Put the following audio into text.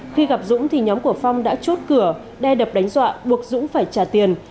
khi gặp dũng thì nhóm của phong đã chốt cửa đe đập đánh dọa buộc dũng phải trả tiền